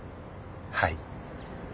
はい。